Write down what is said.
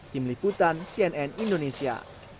tim liputan cnn indonesia